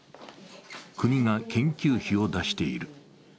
国が研究費を出している。